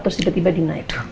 terus tiba tiba dinaik